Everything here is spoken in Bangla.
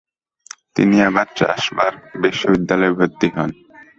তিনি আবার স্ট্রাসবার্গ বিশ্ববিদ্যাললয়ে ভর্তি হন।